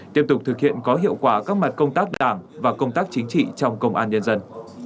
tiếp tục thực hiện có hiệu quả các mặt công tác đảng và công tác chính trị trong công an nhân dân